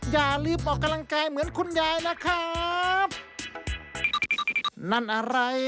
อย่ารีบออกกำลังกายเหมือนคุณยายนะครับ